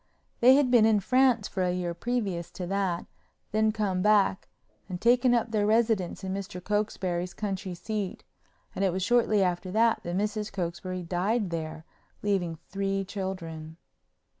They had been in France for a year previous to that, then come back and taken up their residence in Mr. Cokesbury's country seat, and it was shortly after that Mrs. Cokesbury died there, leaving three children.